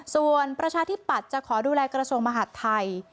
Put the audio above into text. ส่วนประชาธิปัตย์จะขอดูแลกระทรวงมหาดไทย